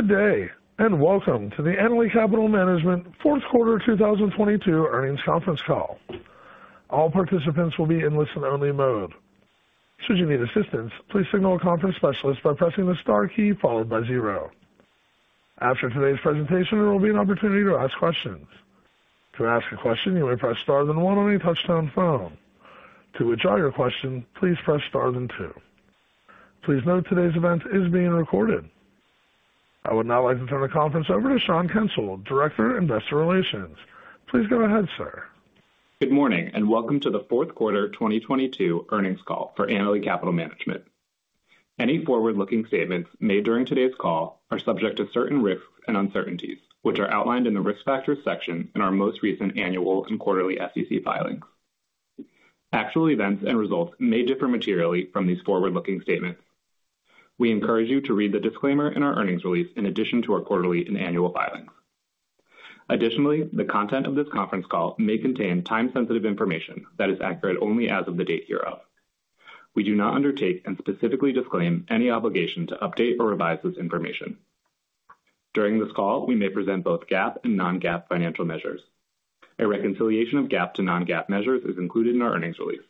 Good day, welcome to the Annaly Capital Management fourth quarter 2022 earnings conference call. All participants will be in listen-only mode. Should you need assistance, please signal a conference specialist by pressing the Star key followed by zero. After today's presentation, there will be an opportunity to ask questions. To ask a question, you may press Star then one on your touchtone phone. To withdraw your question, please press Star then two. Please note today's event is being recorded. I would now like to turn the conference over to Sean Kensil, Director of Investor Relations. Please go ahead, sir. Good morning, and welcome to the fourth quarter 2022 earnings call for Annaly Capital Management. Any forward-looking statements made during today's call are subject to certain risks and uncertainties, which are outlined in the Risk Factors section in our most recent annual and quarterly SEC filings. Actual events and results may differ materially from these forward-looking statements. We encourage you to read the disclaimer in our earnings release in addition to our quarterly and annual filings. Additionally, the content of this conference call may contain time-sensitive information that is accurate only as of the date hereof. We do not undertake and specifically disclaim any obligation to update or revise this information. During this call, we may present both GAAP and non-GAAP financial measures. A reconciliation of GAAP to non-GAAP measures is included in our earnings release.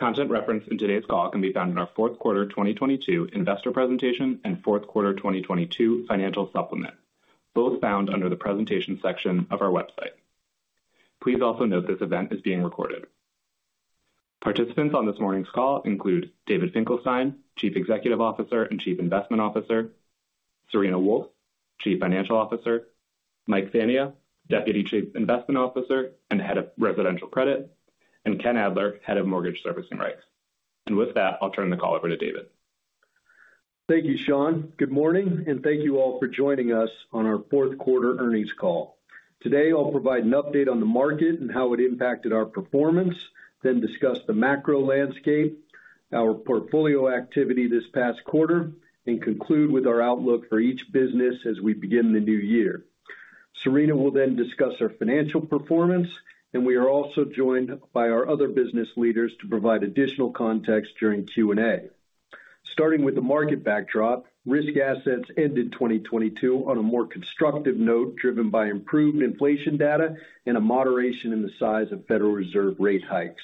Content referenced in today's call can be found in our fourth quarter 2022 investor presentation and fourth quarter 2022 financial supplement, both found under the Presentation section of our website. Please also note this event is being recorded. Participants on this morning's call include David Finkelstein, Chief Executive Officer and Chief Investment Officer, Serena Wolfe, Chief Financial Officer, Mike Fania, Deputy Chief Investment Officer and Head of Residential Credit, and Ken Adler, Head of Mortgage Servicing Rights. With that, I'll turn the call over to David. Thank you, Sean. Good morning, and thank you all for joining us on our fourth quarter earnings call. Today, I'll provide an update on the market and how it impacted our performance, then discuss the macro landscape, our portfolio activity this past quarter, and conclude with our outlook for each business as we begin the new year. Serena will then discuss our financial performance, and we are also joined by our other business leaders to provide additional context during Q&A. Starting with the market backdrop, risk assets ended 2022 on a more constructive note driven by improved inflation data and a moderation in the size of Federal Reserve rate hikes.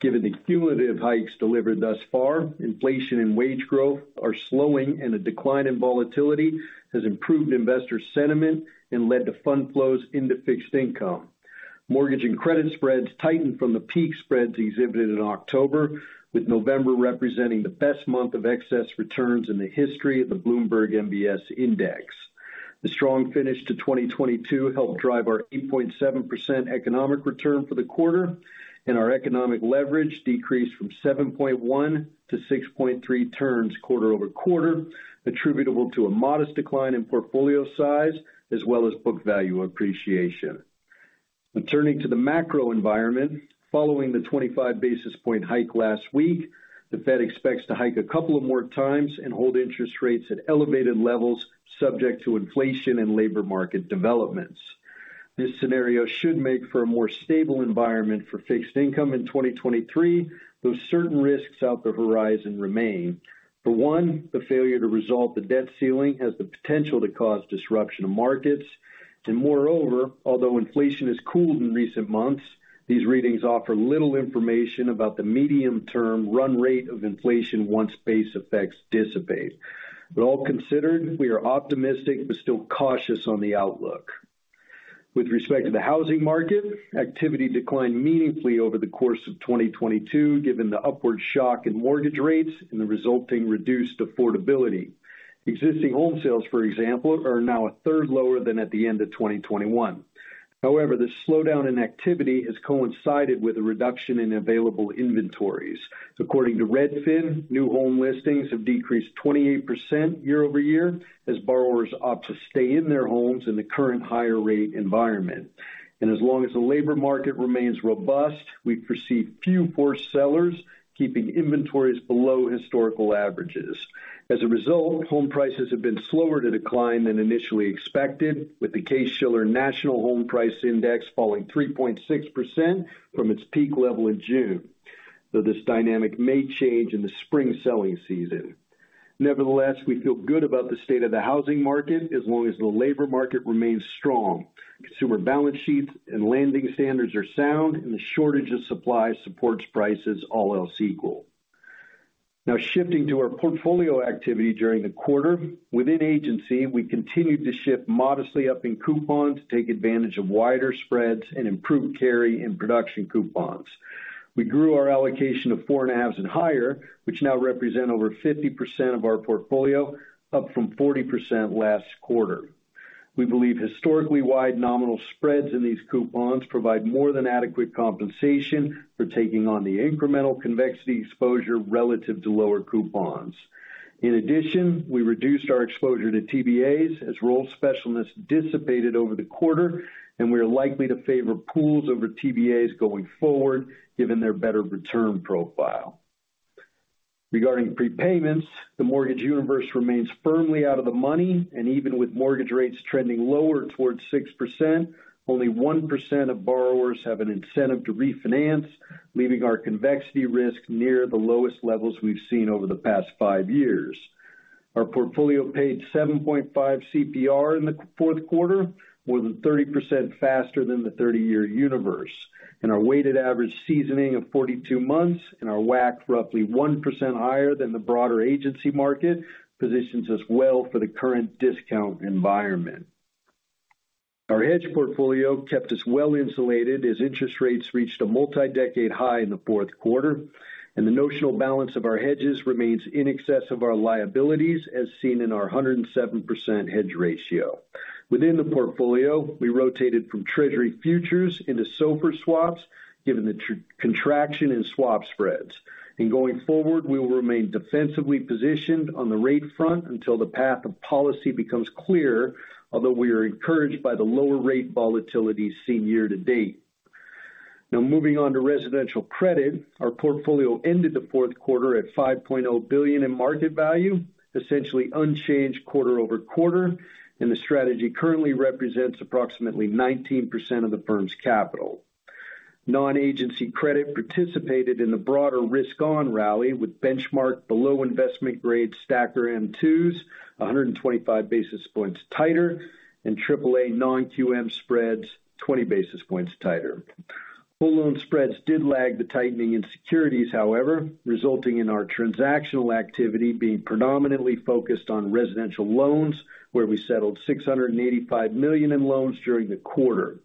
Given the cumulative hikes delivered thus far, inflation and wage growth are slowing and a decline in volatility has improved investor sentiment and led to fund flows into fixed income. Mortgage and credit spreads tightened from the peak spreads exhibited in October, with November representing the best month of excess returns in the history of the Bloomberg US MBS Index. The strong finish to 2022 helped drive our 8.7% economic return for the quarter, and our economic leverage decreased from 7.1-6.3 turns quarter-over-quarter, attributable to a modest decline in portfolio size as well as book value appreciation. Turning to the macro environment, following the 25 basis point hike last week, the Fed expects to hike a couple more times and hold interest rates at elevated levels subject to inflation and labor market developments. This scenario should make for a more stable environment for fixed income in 2023, though certain risks out the horizon remain. For one, the failure to resolve the debt ceiling has the potential to cause disruption to markets. Moreover, although inflation has cooled in recent months, these readings offer little information about the medium-term run rate of inflation once base effects dissipate. All considered, we are optimistic but still cautious on the outlook. With respect to the housing market, activity declined meaningfully over the course of 2022, given the upward shock in mortgage rates and the resulting reduced affordability. Existing home sales, for example, are now a third lower than at the end of 2021. This slowdown in activity has coincided with a reduction in available inventories. According to Redfin, new home listings have decreased 28% year-over-year as borrowers opt to stay in their homes in the current higher rate environment. As long as the labor market remains robust, we perceive few poor sellers keeping inventories below historical averages. As a result, home prices have been slower to decline than initially expected, with the Case-Shiller National Home Price Index falling 3.6% from its peak level in June, though this dynamic may change in the spring selling season. Nevertheless, we feel good about the state of the housing market as long as the labor market remains strong, consumer balance sheets and lending standards are sound, and the shortage of supply supports prices all else equal. Shifting to our portfolio activity during the quarter, within agency, we continued to shift modestly up in coupons to take advantage of wider spreads and improved carry in production coupons. We grew our allocation of 4.5s and higher, which now represent over 50% of our portfolio, up from 40% last quarter. We believe historically wide nominal spreads in these coupons provide more than adequate compensation for taking on the incremental convexity exposure relative to lower coupons. In addition, we reduced our exposure to TBA as role specialness dissipated over the quarter, and we are likely to favor pools over TBA going forward, given their better return profile. Regarding prepayments, the mortgage universe remains firmly out of the money, and even with mortgage rates trending lower towards 6%, only 1% of borrowers have an incentive to refinance, leaving our convexity risk near the lowest levels we've seen over the past 5 years. Our portfolio paid 7.5 CPR in the fourth quarter, more than 30% faster than the 30-year universe. Our weighted average seasoning of 42 months and our WAC roughly 1% higher than the broader agency market positions us well for the current discount environment. Our hedge portfolio kept us well-insulated as interest rates reached a multi-decade high in the fourth quarter, and the notional balance of our hedges remains in excess of our liabilities, as seen in our 107% hedge ratio. Within the portfolio, we rotated from treasury futures into SOFR swaps given the contraction in swap spreads. Going forward, we will remain defensively positioned on the rate front until the path of policy becomes clear, although we are encouraged by the lower rate volatility seen year-to-date. Now moving on to residential credit. Our portfolio ended the fourth quarter at $5.0 billion in market value, essentially unchanged quarter-over-quarter. The strategy currently represents approximately 19% of the firm's capital. Non-agency credit participated in the broader risk on rally with benchmark below investment grade Stack M2s, 125 basis points tighter and triple-A non-QM spreads 20 basis points tighter. Whole loan spreads did lag the tightening in securities, however, resulting in our transactional activity being predominantly focused on residential loans, where we settled $685 million in loans during the quarter.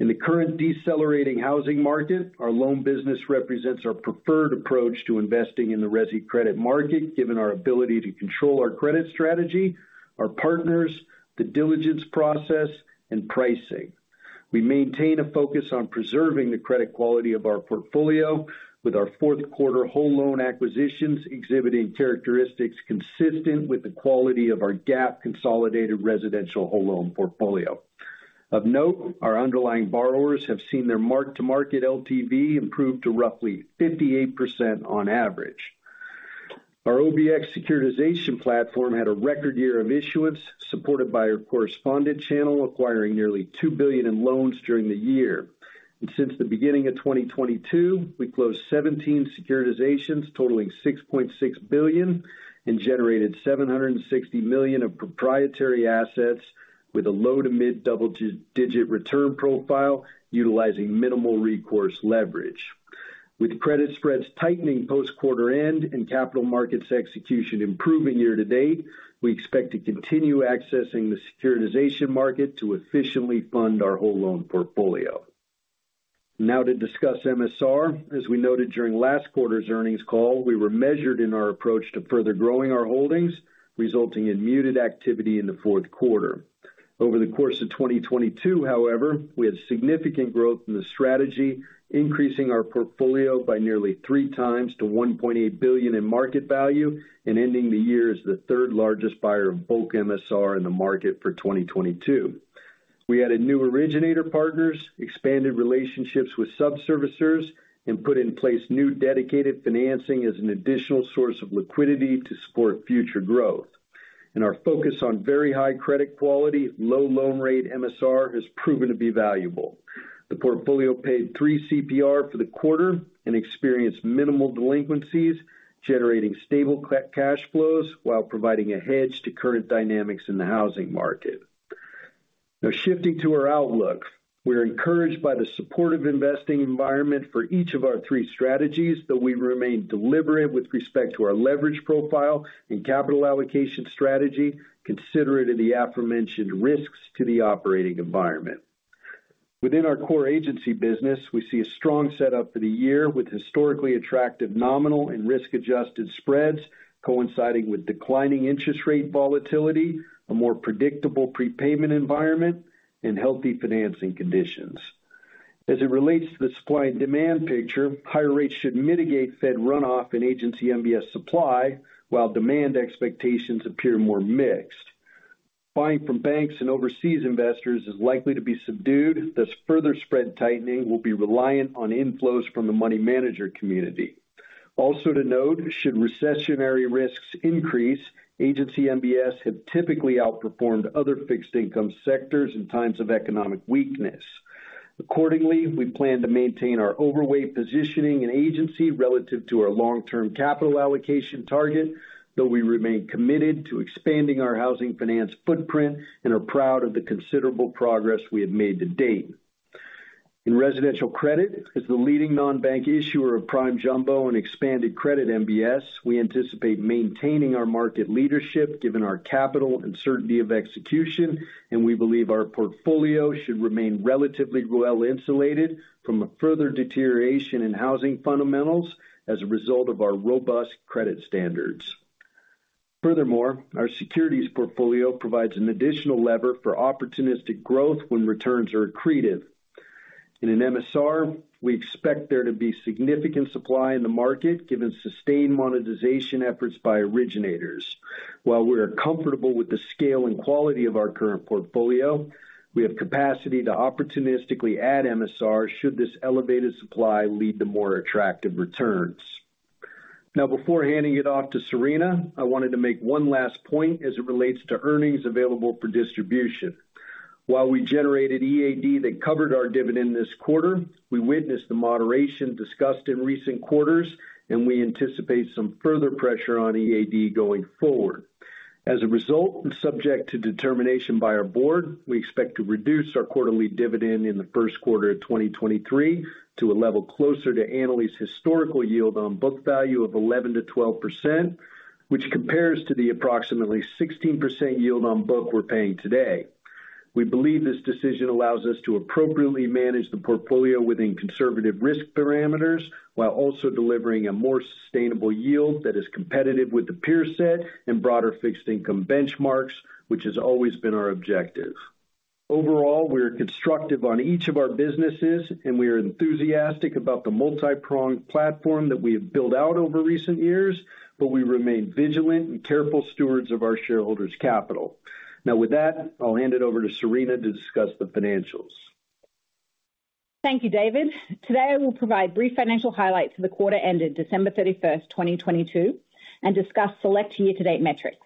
In the current decelerating housing market, our loan business represents our preferred approach to investing in the resi credit market, given our ability to control our credit strategy, our partners, the diligence process, and pricing. We maintain a focus on preserving the credit quality of our portfolio with our fourth quarter whole loan acquisitions exhibiting characteristics consistent with the quality of our GAAP consolidated residential whole loan portfolio. Of note, our underlying borrowers have seen their mark-to-market LTV improve to roughly 58% on average. Our OBX securitization platform had a record year of issuance, supported by a correspondent channel acquiring nearly $2 billion in loans during the year. Since the beginning of 2022, we closed 17 securitizations totaling $6.6 billion and generated $760 million of proprietary assets with a low to mid-double digit return profile utilizing minimal recourse leverage. With credit spreads tightening post-quarter end and capital markets execution improving year-to-date, we expect to continue accessing the securitization market to efficiently fund our whole loan portfolio. Now to discuss MSR. As we noted during last quarter's earnings call, we were measured in our approach to further growing our holdings, resulting in muted activity in the fourth quarter. Over the course of 2022, however, we had significant growth in the strategy, increasing our portfolio by nearly 3x to $1.8 billion in market value and ending the year as the third largest buyer of bulk MSR in the market for 2022. We added new originator partners, expanded relationships with sub-servicers, and put in place new dedicated financing as an additional source of liquidity to support future growth. Our focus on very high credit quality, low loan rate MSR has proven to be valuable. The portfolio paid three CPR for the quarter and experienced minimal delinquencies, generating stable cash flows while providing a hedge to current dynamics in the housing market. Now shifting to our outlook. We're encouraged by the supportive investing environment for each of our three strategies, though we remain deliberate with respect to our leverage profile and capital allocation strategy, considering the aforementioned risks to the operating environment. Within our core agency business, we see a strong setup for the year with historically attractive nominal and risk-adjusted spreads coinciding with declining interest rate volatility, a more predictable prepayment environment, and healthy financing conditions. As it relates to the supply and demand picture, higher rates should mitigate Fed runoff in agency MBS supply, while demand expectations appear more mixed. Buying from banks and overseas investors is likely to be subdued, thus further spread tightening will be reliant on inflows from the money manager community. To note, should recessionary risks increase, agency MBS have typically outperformed other fixed income sectors in times of economic weakness. Accordingly, we plan to maintain our overweight positioning in agency relative to our long-term capital allocation target, though we remain committed to expanding our housing finance footprint and are proud of the considerable progress we have made to date. In residential credit, as the leading non-bank issuer of prime jumbo and expanded credit MBS, we anticipate maintaining our market leadership given our capital and certainty of execution, and we believe our portfolio should remain relatively well insulated from a further deterioration in housing fundamentals as a result of our robust credit standards. Furthermore, our securities portfolio provides an additional lever for opportunistic growth when returns are accretive. In MSR, we expect there to be significant supply in the market given sustained monetization efforts by originators. While we are comfortable with the scale and quality of our current portfolio, we have capacity to opportunistically add MSR should this elevated supply lead to more attractive returns. Now before handing it off to Serena, I wanted to make one last point as it relates to earnings available for distribution. While we generated EAD that covered our dividend this quarter, we witnessed the moderation discussed in recent quarters, and we anticipate some further pressure on EAD going forward. As a result, and subject to determination by our board, we expect to reduce our quarterly dividend in the first quarter of 2023 to a level closer to Annaly's historical yield on book value of 11%-12%, which compares to the approximately 16% yield on book we're paying today. We believe this decision allows us to appropriately manage the portfolio within conservative risk parameters while also delivering a more sustainable yield that is competitive with the peer set and broader fixed income benchmarks, which has always been our objective. Overall, we're constructive on each of our businesses, and we are enthusiastic about the multi-pronged platform that we have built out over recent years, but we remain vigilant and careful stewards of our shareholders' capital. Now, with that, I'll hand it over to Serena to discuss the financials. Thank you, David. Today, I will provide brief financial highlights for the quarter ended December 31st, 2022, and discuss select year-to-date metrics.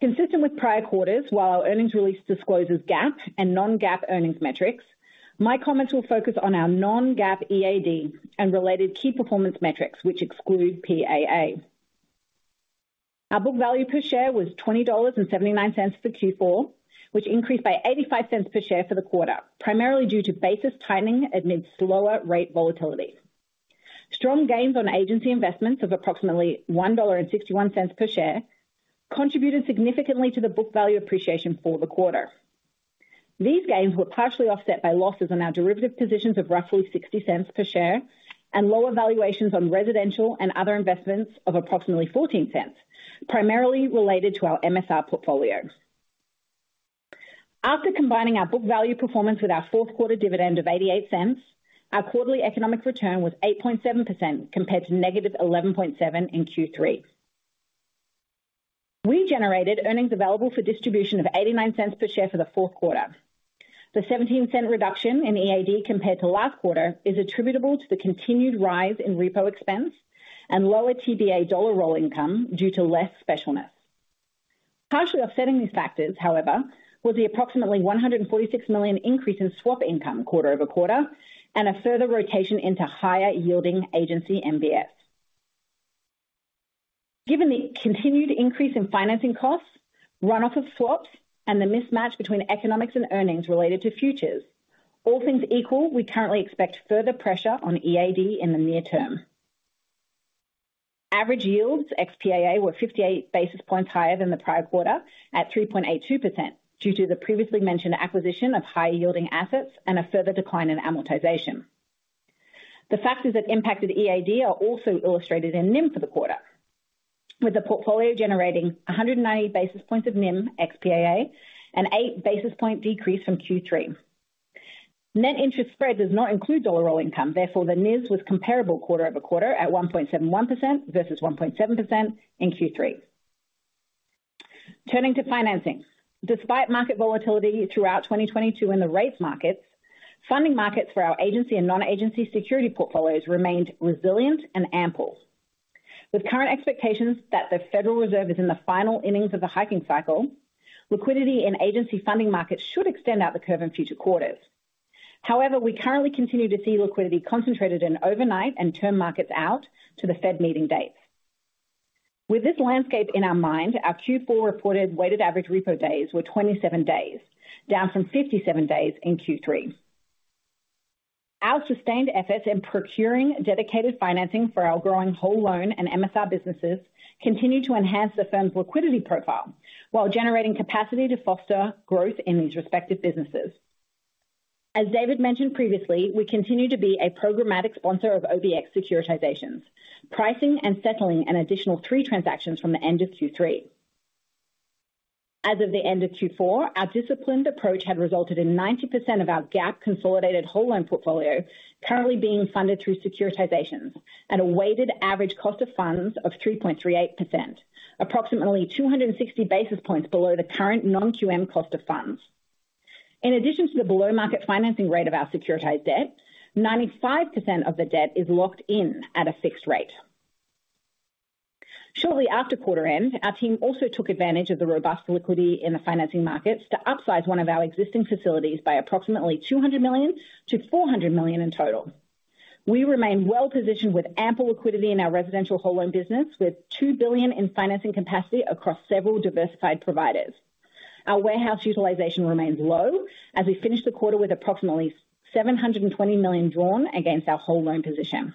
Consistent with prior quarters, while our earnings release discloses GAAP and non-GAAP earnings metrics, my comments will focus on our non-GAAP EAD and related key performance metrics, which exclude PAA. Our book value per share was $20.79 for Q4, which increased by $0.85 per share for the quarter, primarily due to basis timing amid slower rate volatility. Strong gains on agency investments of approximately $1.61 per share contributed significantly to the book value appreciation for the quarter. These gains were partially offset by losses on our derivative positions of roughly $0.60 per share and lower valuations on residential and other investments of approximately $0.14, primarily related to our MSR portfolio. After combining our book value performance with our fourth quarter dividend of $0.88, our quarterly economic return was 8.7% compared to -11.7% in Q3. We generated earnings available for distribution of $0.89 per share for the fourth quarter. The $0.17 reduction in EAD compared to last quarter is attributable to the continued rise in repo expense and lower TBA dollar roll income due to less specialness. Partially offsetting these factors, however, was the approximately $146 million increase in swap income quarter-over-quarter and a further rotation into higher yielding agency MBS. Given the continued increase in financing costs, runoff of swaps, and the mismatch between economics and earnings related to futures, all things equal, we currently expect further pressure on EAD in the near term. Average yields ex PAA were 58 basis points higher than the prior quarter at 3.82% due to the previously mentioned acquisition of higher yielding assets and a further decline in amortization. The factors that impacted EAD are also illustrated in NIM for the quarter, with the portfolio generating 190 basis points of NIM ex PAA, an eight basis point decrease from Q3. Net interest spread does not include dollar roll income. The NIS was comparable quarter-over-quarter at 1.71% versus 1.7% in Q3. Turning to financing. Despite market volatility throughout 2022 in the rates markets, funding markets for our agency and non-agency security portfolios remained resilient and ample. With current expectations that the Federal Reserve is in the final innings of the hiking cycle, liquidity in agency funding markets should extend out the curve in future quarters. We currently continue to see liquidity concentrated in overnight and term markets out to the Fed meeting dates. With this landscape in our mind, our Q4 reported weighted average repo days were 27 days, down from 57 days in Q3. Our sustained efforts in procuring dedicated financing for our growing whole loan and MSR businesses continue to enhance the firm's liquidity profile while generating capacity to foster growth in these respective businesses. As David mentioned previously, we continue to be a programmatic sponsor of OBX securitizations, pricing and settling an additional 3 transactions from the end of Q3. As of the end of Q4, our disciplined approach had resulted in 90% of our GAAP consolidated whole loan portfolio currently being funded through securitizations at a weighted average cost of funds of 3.38%, approximately 260 basis points below the current non-QM cost of funds. In addition to the below-market financing rate of our securitized debt, 95% of the debt is locked in at a fixed rate. Shortly after quarter end, our team also took advantage of the robust liquidity in the financing markets to upsize one of our existing facilities by approximately $200 million-$400 million in total. We remain well-positioned with ample liquidity in our residential whole loan business, with $2 billion in financing capacity across several diversified providers. Our warehouse utilization remains low as we finish the quarter with approximately $720 million drawn against our whole loan position.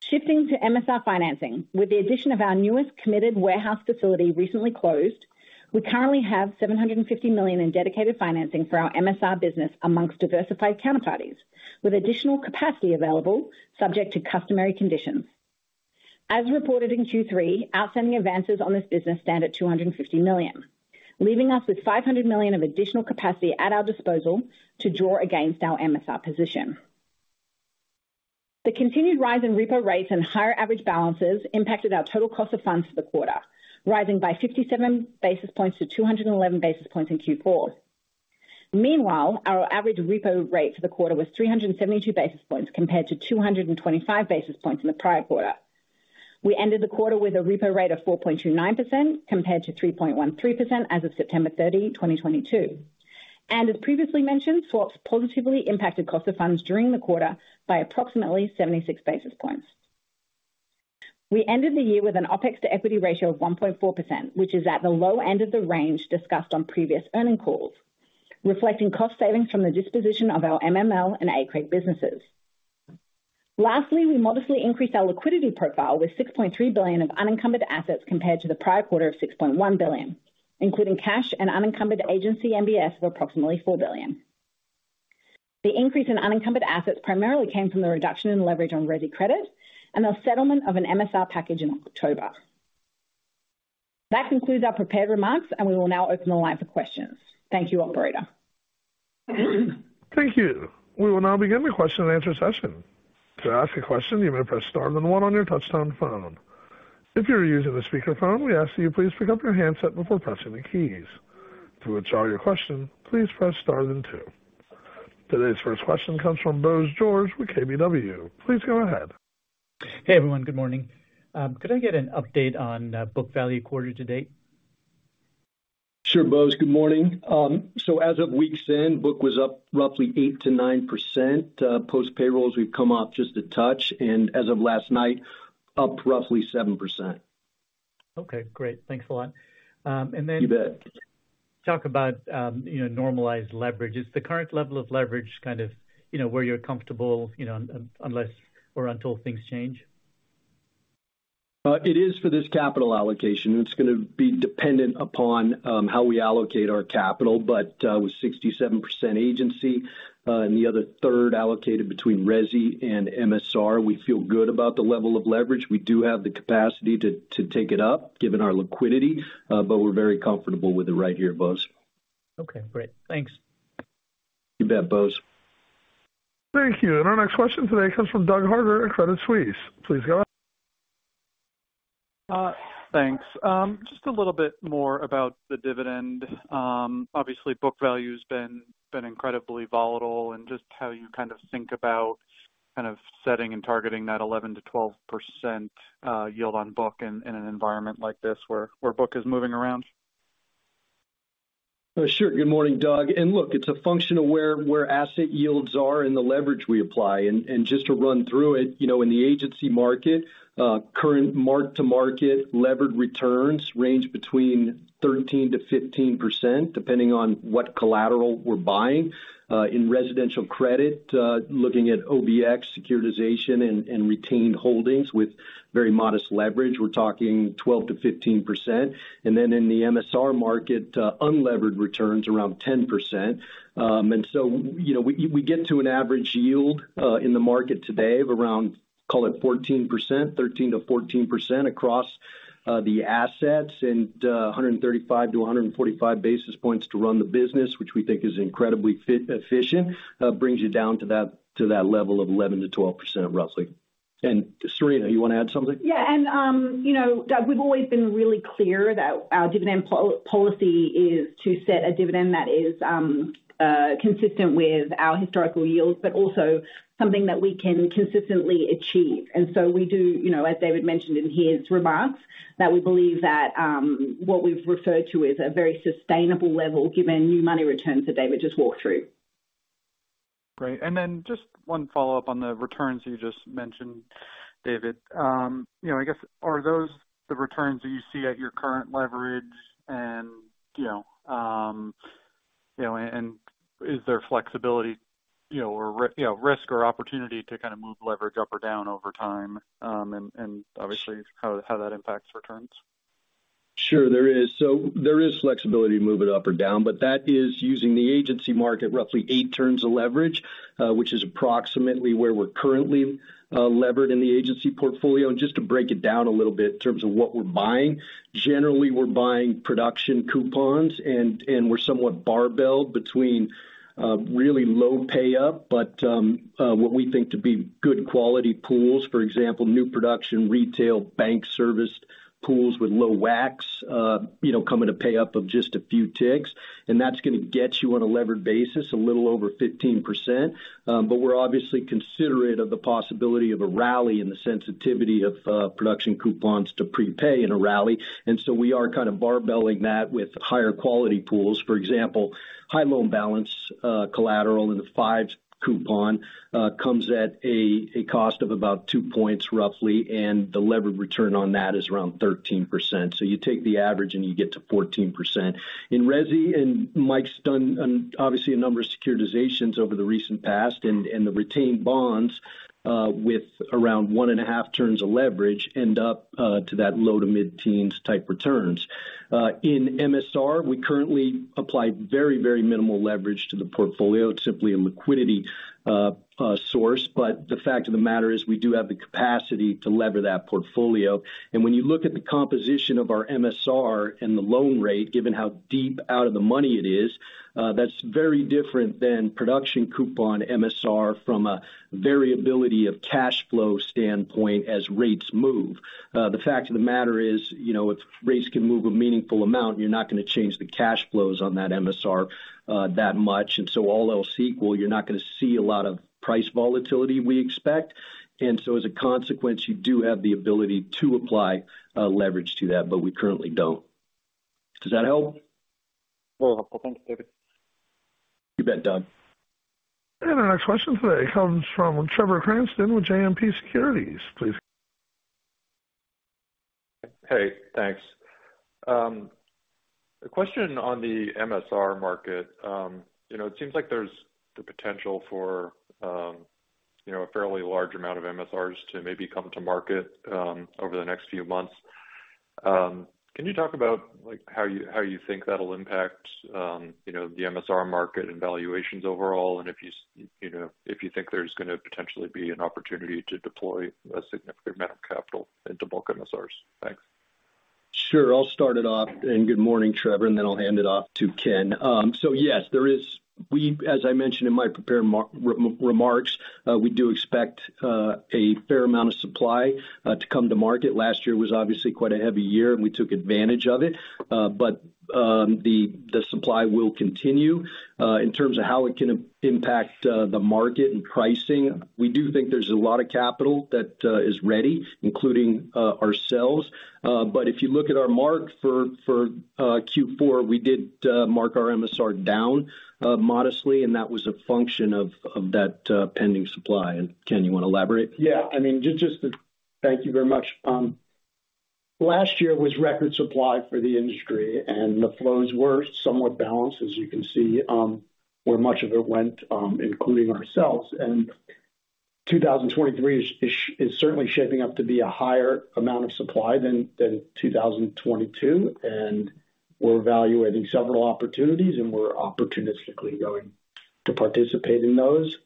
Shifting to MSR financing. With the addition of our newest committed warehouse facility recently closed, we currently have $750 million in dedicated financing for our MSR business amongst diversified counterparties, with additional capacity available subject to customary conditions. As reported in Q3, outstanding advances on this business stand at $250 million, leaving us with $500 million of additional capacity at our disposal to draw against our MSR position. The continued rise in repo rates and higher average balances impacted our total cost of funds for the quarter, rising by 57 basis points to 211 basis points in Q4. Meanwhile, our average repo rate for the quarter was 372 basis points compared to 225 basis points in the prior quarter. We ended the quarter with a repo rate of 4.29% compared to 3.13% as of September 30, 2022. As previously mentioned, swaps positively impacted cost of funds during the quarter by approximately 76 basis points. We ended the year with an OPEX to equity ratio of 1.4%, which is at the low end of the range discussed on previous earnings calls, reflecting cost savings from the disposition of our MML and ACRE businesses. We modestly increased our liquidity profile with $6.3 billion of unencumbered assets compared to the prior quarter of $6.1 billion, including cash and unencumbered agency MBS of approximately $4 billion. The increase in unencumbered assets primarily came from the reduction in leverage on resi credit and the settlement of an MSR package in October. That concludes our prepared remarks, and we will now open the line for questions. Thank you, operator. Thank you. We will now begin the question-and-answer session. To ask a question, you may press star then 1 on your touchtone phone. If you're using a speakerphone, we ask that you please pick up your handset before pressing the keys. To withdraw your question, please press star then two. Today's first question comes from Bose George with KBW. Please go ahead. Hey, everyone. Good morning. Could I get an update on book value quarter to date? Sure. Bose, good morning. As of week's end, book was up roughly 8%-9%. Post payrolls, we've come up just a touch, and as of last night, up roughly 7%. Okay, great. Thanks a lot. You bet. Talk about, you know, normalized leverage. Is the current level of leverage kind of, you know, where you're comfortable, you know, unless or until things change? It is for this capital allocation. It's gonna be dependent upon how we allocate our capital, but with 67% agency, and the other third allocated between resi and MSR, we feel good about the level of leverage. We do have the capacity to take it up given our liquidity, but we're very comfortable with it right here, Bose. Okay, great. Thanks. You bet, Bose. Thank you. Our next question today comes from Doug Harter at Credit Suisse. Please go ahead. Thanks. Just a little bit more about the dividend. Obviously, book value's been incredibly volatile and just how you kind of think about kind of setting and targeting that 11%-12% yield on book in an environment like this where book is moving around? Sure. Good morning, Doug. Look, it's a function of where asset yields are and the leverage we apply. Just to run through it, you know, in the agency market, current mark to market levered returns range between 13%-15%, depending on what collateral we're buying. In residential credit, looking at OBX securitization and retained holdings with very modest leverage, we're talking 12%-15%. Then in the MSR market, unlevered returns around 10%. You know, we get to an average yield in the market today of around, call it 14%, 13%-14% across the assets and 135-145 basis points to run the business, which we think is incredibly fit-efficient, brings you down to that level of 11%-12%, roughly. Serena, you wanna add something? Yeah. You know, Doug, we've always been really clear that our dividend policy is to set a dividend that is consistent with our historical yields, but also something that we can consistently achieve. We do, you know, as David mentioned in his remarks, that we believe that, what we've referred to is a very sustainable level given new money returns that David just walked through. Great. Just one follow-up on the returns you just mentioned, David. You know, I guess are those the returns that you see at your current leverage? You know, and is there flexibility, you know, risk or opportunity to kind of move leverage up or down over time, and obviously how that impacts returns? Sure, there is. There is flexibility to move it up or down, but that is using the agency market roughly eight turns of leverage, which is approximately where we're currently levered in the agency portfolio. Just to break it down a little bit in terms of what we're buying. Generally, we're buying production coupons and we're somewhat barbelled between really low pay-up, but what we think to be good quality pools. For example, new production retail bank serviced pools with low WAC, you know, come at a pay-up of just a few ticks. That's gonna get you on a levered basis a little over 15%. We're obviously considerate of the possibility of a rally and the sensitivity of production coupons to prepay in a rally. We are kind of barbelling that with higher quality pools. For example, high loan balance collateral in the fives coupon comes at a cost of about two points roughly, and the levered return on that is around 13%. You take the average and you get to 14%. In resi, Mike's done obviously a number of securitizations over the recent past and the retained bonds with around 1.5 turns of leverage end up to that low to mid-teens type returns. In MSR, we currently apply very minimal leverage to the portfolio. It's simply a liquidity source. The fact of the matter is we do have the capacity to lever that portfolio. When you look at the composition of our MSR and the loan rate, given how deep out of the money it is, that's very different than production coupon MSR from a variability of cash flow standpoint as rates move. The fact of the matter is, you know, if rates can move a meaningful amount, you're not gonna change the cash flows on that MSR, that much. All else equal, you're not gonna see a lot of price volatility we expect. As a consequence, you do have the ability to apply leverage to that, but we currently don't. Does that help? Well, thank you, David. You bet, Doug. Our next question today comes from Trevor Cranston with JMP Securities. Please. Hey, thanks. A question on the MSR market. You know, it seems like there's the potential for, you know, a fairly large amount of MSRs to maybe come to market over the next few months. Can you talk about, like, how you, how you think that'll impact, you know, the MSR market and valuations overall, if you know, if you think there's gonna potentially be an opportunity to deploy a significant amount of capital into bulk MSRs? Thanks. Sure. I'll start it off. Good morning, Trevor, and then I'll hand it off to Ken. Yes, as I mentioned in my prepared remarks, we do expect a fair amount of supply to come to market. Last year was obviously quite a heavy year, and we took advantage of it. The supply will continue. In terms of how it can impact the market and pricing, we do think there's a lot of capital that is ready, including ourselves. If you look at our mark for Q4, we did mark our MSR down modestly, and that was a function of that pending supply. Ken, you wanna elaborate? Yeah. I mean, just to Thank you very much. Last year was record supply for the industry, the flows were somewhat balanced, as you can see, where much of it went, including ourselves. 2023 is certainly shaping up to be a higher amount of supply than 2022, and we're evaluating several opportunities, and we're opportunistically going to participate in those.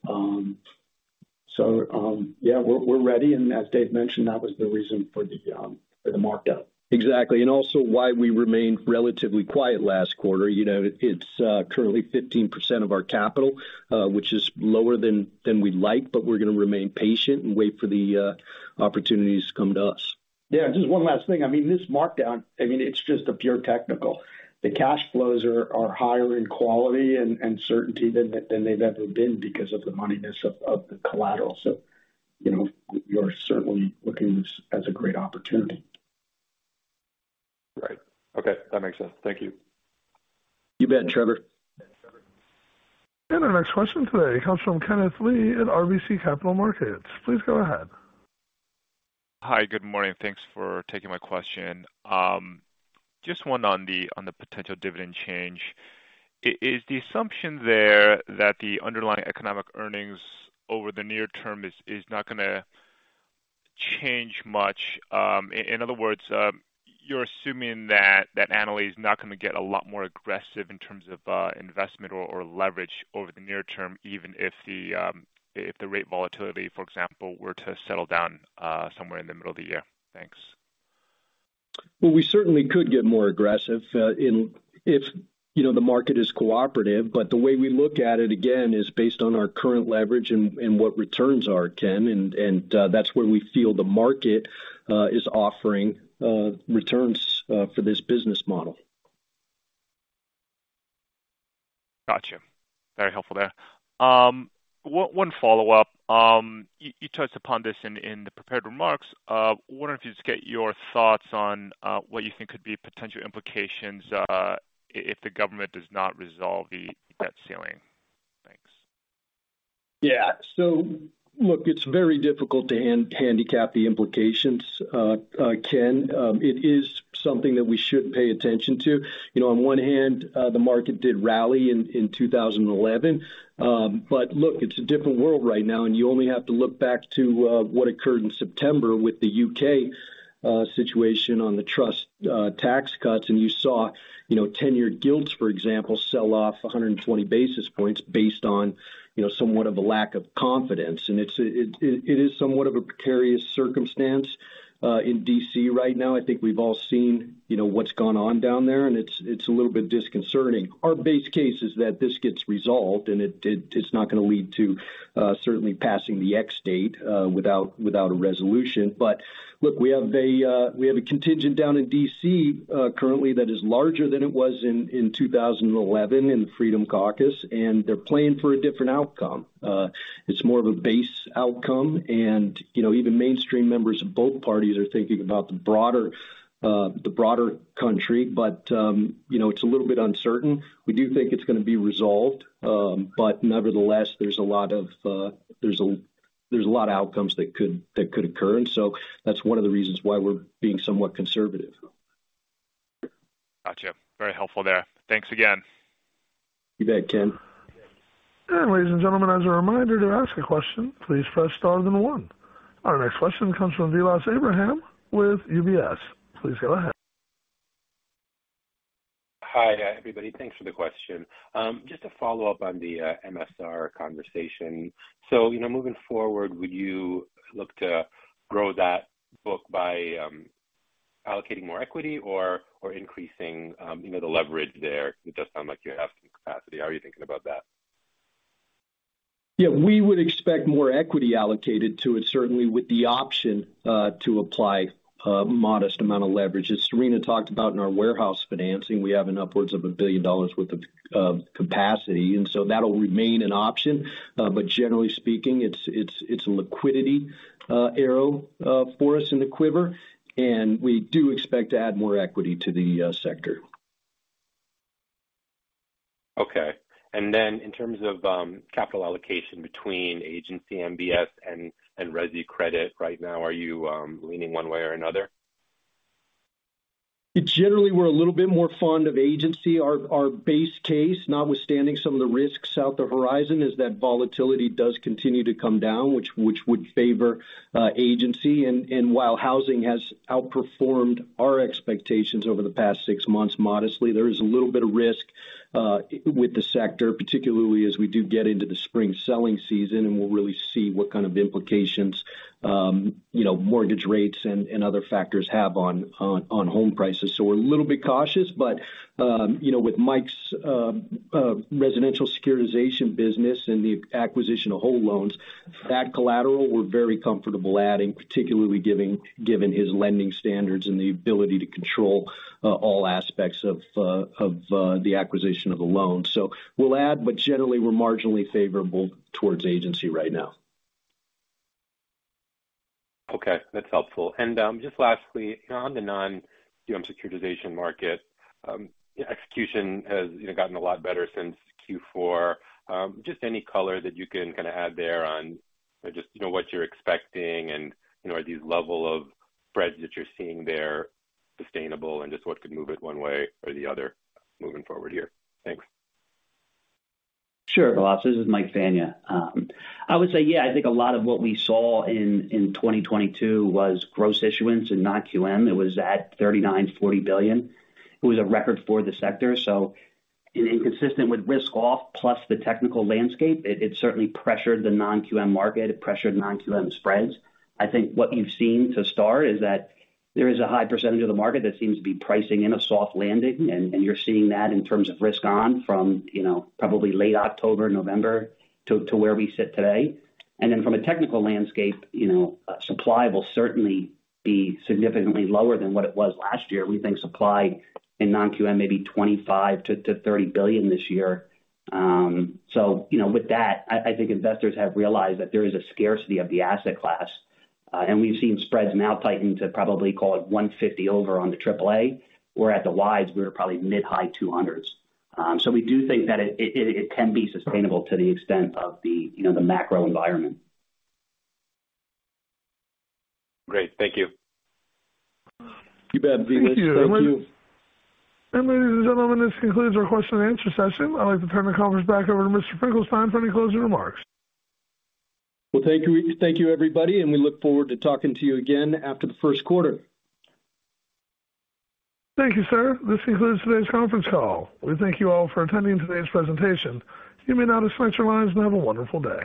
Yeah, we're ready. As Dave mentioned, that was the reason for the markdown. Exactly. Also why we remained relatively quiet last quarter. You know, it's currently 15% of our capital, which is lower than we'd like, but we're gonna remain patient and wait for the opportunities to come to us. Yeah. Just one last thing. I mean, this markdown, I mean, it's just a pure technical. The cash flows are higher in quality and certainty than they've ever been because of the moneyness of the collateral. You know, we are certainly looking at this as a great opportunity. Right. Okay. That makes sense. Thank you. You bet, Trevor. Our next question today comes from Kenneth Lee at RBC Capital Markets. Please go ahead. Hi. Good morning. Thanks for taking my question. Just one on the, on the potential dividend change. Is the assumption there that the underlying economic earnings over the near term is not gonna change much? In other words, you're assuming that Annaly is not gonna get a lot more aggressive in terms of investment or leverage over the near term, even if the rate volatility, for example, were to settle down somewhere in the middle of the year. Thanks. Well, we certainly could get more aggressive, if, you know, the market is cooperative, but the way we look at it again is based on our current leverage and what returns are, Ken, and that's where we feel the market is offering returns for this business model. Gotcha. Very helpful there. One follow-up. You touched upon this in the prepared remarks. Wondering if you'd just get your thoughts on what you think could be potential implications if the government does not resolve the debt ceiling. Thanks. Yeah. Look, it's very difficult to hand-handicap the implications, Ken Adler. It is something that we should pay attention to. You know, on one hand, the market did rally in 2011. But look, it's a different world right now, and you only have to look back to what occurred in September with the U.K. situation on the trust tax cuts. You saw, you know, 10-year gilts, for example, sell off 120 basis points based on, you know, somewhat of a lack of confidence. It is somewhat of a precarious circumstance in D.C. right now. I think we've all seen, you know, what's gone on down there, and it's a little bit disconcerting. Our base case is that this gets resolved, and it's not gonna lead to certainly passing the X-date without a resolution. Look, we have a contingent down in D.C. currently that is larger than it was in 2011 in Freedom Caucus, and they're playing for a different outcome. It's more of a base outcome. You know, even mainstream members of both parties are thinking about the broader country. You know, it's a little bit uncertain. We do think it's gonna be resolved. Nevertheless, there's a lot of outcomes that could, that could occur. That's one of the reasons why we're being somewhat conservative. Gotcha. Very helpful there. Thanks again. You bet, Ken. Ladies and gentlemen, as a reminder, to ask a question, please press star then one. Our next question comes from Vilas Abraham with UBS. Please go ahead. Hi, everybody. Thanks for the question. Just to follow up on the MSR conversation. You know, moving forward, would you look to grow that book by allocating more equity or increasing, you know, the leverage there? It does sound like you have some capacity. How are you thinking about that? Yeah. We would expect more equity allocated to it, certainly with the option to apply a modest amount of leverage. As Serena talked about in our warehouse financing, we have an upwards of $1 billion worth of capacity, and so that'll remain an option. Generally speaking, it's a liquidity arrow for us in the quiver, and we do expect to add more equity to the sector. In terms of capital allocation between agency MBS and resi credit right now, are you leaning one way or another? Generally, we're a little bit more fond of agency. Our base case, notwithstanding some of the risks out the horizon, is that volatility does continue to come down, which would favor agency. While housing has outperformed our expectations over the past six months modestly, there is a little bit of risk with the sector, particularly as we do get into the spring selling season, and we'll really see what kind of implications, you know, mortgage rates and other factors have on home prices. We're a little bit cautious, but, you know, with Mike's residential securitization business and the acquisition of whole loans, that collateral we're very comfortable adding, particularly given his lending standards and the ability to control all aspects of the acquisition of a loan. We'll add, but generally we're marginally favorable towards agency right now. Okay, that's helpful. Just lastly, on the non-QM securitization market, execution has, you know, gotten a lot better since Q4. Just any color that you can kind of add there on just, you know, what you're expecting and, you know, are these level of spreads that you're seeing there sustainable and just what could move it one way or the other moving forward here? Thanks. Sure, Vilas. This is Mike Fania. I would say, yeah, I think a lot of what we saw in 2022 was gross issuance in non-QM. It was at $39 billion-$40 billion. It was a record for the sector. Inconsistent with risk off plus the technical landscape, it certainly pressured the non-QM market. It pressured non-QM spreads. I think what you've seen to start is that there is a high percentage of the market that seems to be pricing in a soft landing, and you're seeing that in terms of risk on from, you know, probably late October, November to where we sit today. From a technical landscape, you know, supply will certainly be significantly lower than what it was last year. We think supply in non-QM may be $25 billion-$30 billion this year. You know, with that, I think investors have realized that there is a scarcity of the asset class. We've seen spreads now tighten to probably call it 150 over on the triple A, or at the wides, we're probably mid-high 200s. We do think that it can be sustainable to the extent of the, you know, the macro environment. Great. Thank you. You bet. Thank you. Ladies and gentlemen, this concludes our question and answer session. I'd like to turn the conference back over to Mr. Finkelstein for any closing remarks. Thank you. Thank you, everybody, and we look forward to talking to you again after the first quarter. Thank you, sir. This concludes today's conference call. We thank you all for attending today's presentation. You may now disconnect your lines and have a wonderful day.